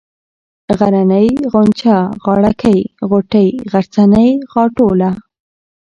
غرنۍ ، غونچه ، غاړه كۍ ، غوټۍ ، غرڅنۍ ، غاټوله